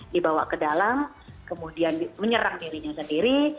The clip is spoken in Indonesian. dibawa ke dalam kemudian menyerang dirinya sendiri